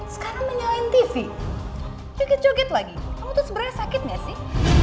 sekarang nyalain tv joget joget lagi kamu tuh sebenernya sakitnya sih